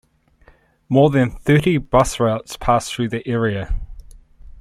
More than thirty bus routes pass through the area.